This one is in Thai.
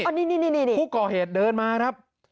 ผู้ก่อเหตุเดินมาครับ